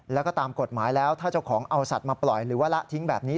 แล้วก็ตามกฎหมายแล้วถ้าเจ้าของเอาสัตว์มาปล่อยหรือว่าละทิ้งแบบนี้